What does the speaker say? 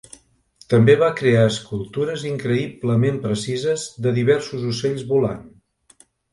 També va crear escultures increïblement precises de diversos ocells volant.